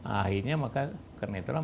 akhirnya maka karena itulah